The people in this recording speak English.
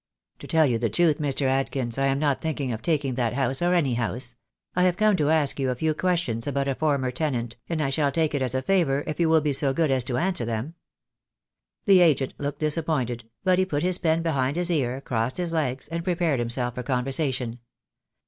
"To tell you the truth, Mr. Adkins, I am not thinking of taking that house or any house. I have come to ask you a few questions about a former tenant, and I shall take it as a favour if you will be so good as to answer them." The agent looked disappointed, but he put his pen behind his ear, crossed his legs, and prepared himself for conversation.